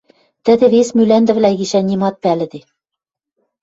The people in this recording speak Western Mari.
Тӹдӹ вес мӱлӓндӹвлӓ гишӓн нимат пӓлӹде.